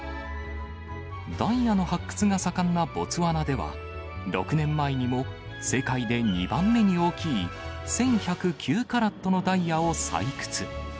ダイヤの発掘が盛んなボツワナでは、６年前にも、世界で２番目に大きい１１０９カラットのダイヤを採掘。